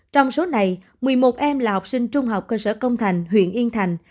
trong số này một mươi một em là học sinh trung học cơ sở công thành huyện yên thành